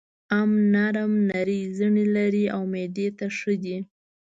ام نرم زېړ زړي لري او معدې ته ښه ده.